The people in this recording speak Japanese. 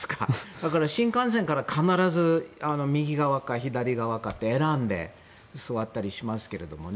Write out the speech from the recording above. だから新幹線から必ず、右側か左側かって選んで座ったりしますけどね。